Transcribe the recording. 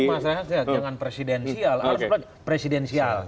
tapi mas rehan jangan presidensial